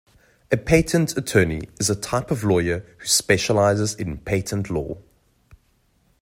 A patent attorney is a type of lawyer who specialises in patent law